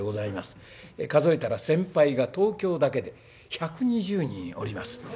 数えたら先輩が東京だけで１２０人おります。